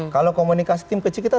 kalau komunikasi tim kecil kita